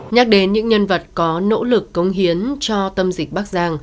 nhắc đến những nhân vật có nỗ lực cống hiến cho tâm dịch bác sĩ